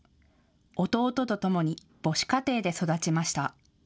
弟とともに母子家庭で育ちました。